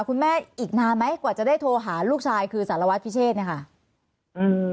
คุณแม่อีกนานไหมกว่าจะได้โทรหาลูกชายคือสารวัตรพิเชษเนี่ยค่ะอืม